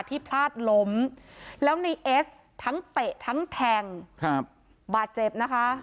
พลาดล้มแล้วในเอสทั้งเตะทั้งแทงครับบาดเจ็บนะคะ